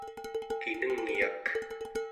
kinengyak